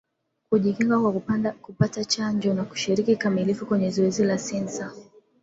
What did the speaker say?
Kujikinga kwa kupata chanjo na kushiriki kikamilifu kwenye zoezi la Sensa